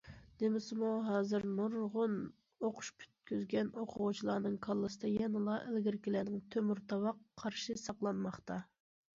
دېمىسىمۇ ھازىر نۇرغۇن ئوقۇش پۈتكۈزگەن ئوقۇغۇچىلارنىڭ كاللىسىدا يەنىلا ئىلگىرىكىلەرنىڭ‹‹ تۆمۈر تاۋاق›› قارىشى ساقلانماقتا.